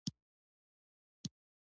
سهار د ډاډ نغمه ده.